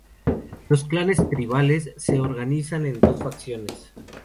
Los clanes tribales se organizaron en dos facciones.